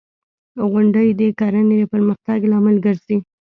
• غونډۍ د کرنې د پرمختګ لامل ګرځي.